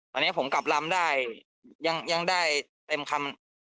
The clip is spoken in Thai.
ตอนนี้ผมกลับลำได้ยังได้เต็มคำ